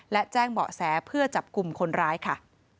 และแจ้งเบาะแสเพื่อจับกลุ่มคนร้ายค่ะ